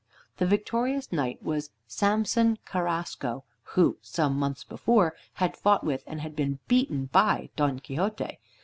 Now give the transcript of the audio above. The victorious knight was Samson Carrasco, who, some months before, had fought with and had been beaten by Don Quixote.